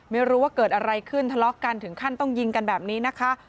ไม่รู้ว่าเกิดอะไรขึ้นทะเลาะกันถึงขั้นต้องยิงกันแบบนี้นะคะ